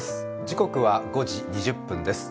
時刻は５時２０分です。